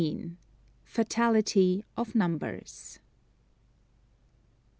Fatality of Numbers.